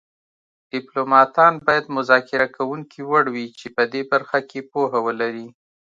ډیپلوماتان باید مذاکره کوونکي وړ وي چې په دې برخه کې پوهه ولري